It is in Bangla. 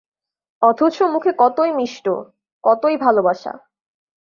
অথচ মুখে কতই মিষ্ট, কতই ভালোবাসা।